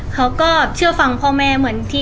เขาก็เป็นคนที่